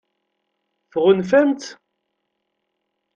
Tɣunfam-tt?